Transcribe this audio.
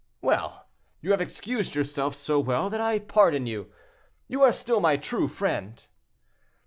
"Well, you have excused yourself so well that I pardon you. You are still my true friend."